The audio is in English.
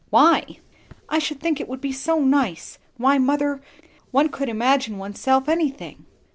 "Why?" "I should think it would be so nice. Why, mother, one could imagine oneself anything."